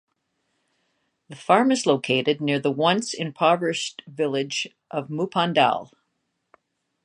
The farm is located near the once impoverished village of Muppandal.